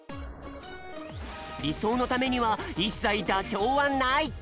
りそうのためにはいっさいだきょうはない。